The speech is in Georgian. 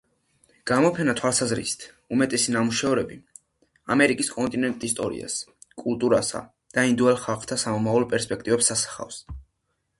გამოფენა „თვალსაზრისის“ უმეტესი ნამუშევრები ამერიკის კონტინენტის ისტორიას, კულტურასა და ინდიელ ხალხთა სამომავლო პერსპექტივებს ასახავს.